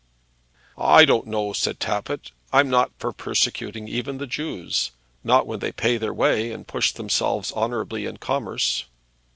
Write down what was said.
"I don't know," said Tappitt. "I'm not for persecuting even the Jews; not when they pay their way and push themselves honourably in commerce."